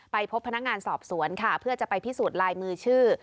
พบพนักงานสอบสวนค่ะเพื่อจะไปพิสูจน์ลายมือชื่อ